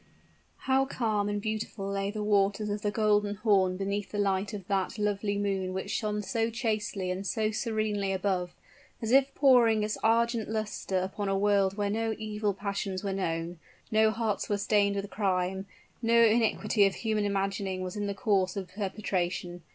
How calm and beautiful lay the waters of the Golden Horn beneath the light of that lovely moon which shone so chastely and so serenely above, as if pouring its argent luster upon a world where no evil passions were known no hearts were stained with crime no iniquity of human imagining was in the course of perpetration.